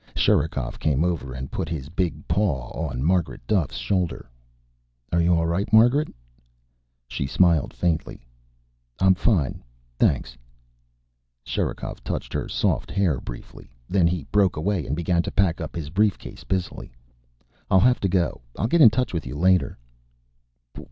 Sherikov came over and put his big paw on Margaret Duffe's shoulder. "Are you all right, Margaret?" She smiled faintly. "I'm fine. Thanks...." Sherikov touched her soft hair briefly. Then he broke away and began to pack up his briefcase busily. "I have to go. I'll get in touch with you later."